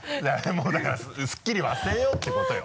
もうだからすっきり忘れようってことよ。